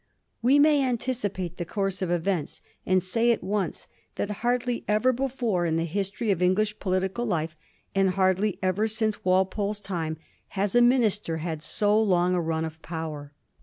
We may anticipate the course of events, and say at once that hardly ever before in the history of English political life, and hardly ever since Walpole's time, has a minister had so long a run of power.